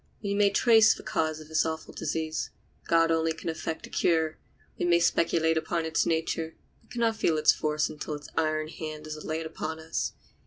We may trace the cause of this awful disease; God only can effect a cure. We may speculate upon its nature, but can not feel its force until its iron hand is laid upon us.